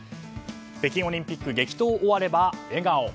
北京オリンピック激闘終われば笑顔。